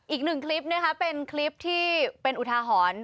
อีกหนึ่งคลิปนะคะเป็นคลิปที่เป็นอุทาหรณ์